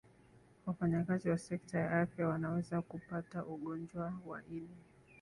wafanyakazi wa sekta ya afya wanaweza kupata ugonjwa wa ini